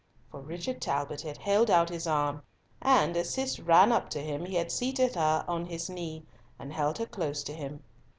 For Richard Talbot had held out his arm, and, as Cis ran up to him, he had seated her on his knee, and held her close to him.